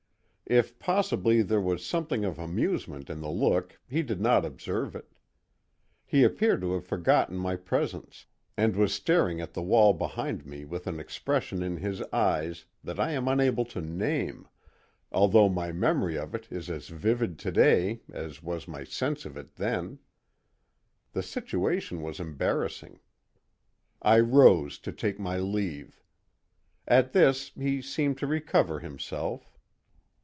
If possibly there was something of amusement in the look he did not observe it. He appeared to have forgotten my presence, and was staring at the wall behind me with an expression in his eyes that I am unable to name, although my memory of it is as vivid to day as was my sense of it then. The situation was embarrassing; I rose to take my leave. At this he seemed to recover himself.